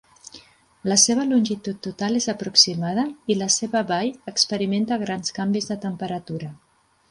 La seva longitud total és aproximada i la seva vall experimenta grans canvis de temperatura.